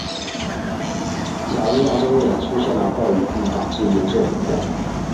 乔治亚州也出现了暴雨并导致严重洪灾。